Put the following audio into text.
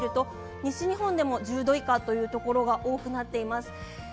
西日本でも１０度以下というところが多くなっています。